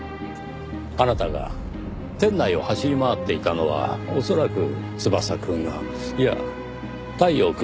あなたが店内を走り回っていたのは恐らく翼くんがいや太陽くんが。